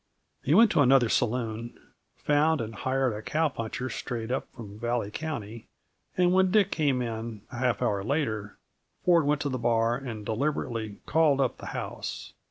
He went to another saloon, found and hired a cow puncher strayed up from Valley County, and when Dick came in, a half hour later, Ford went to the bar and deliberately "called up the house."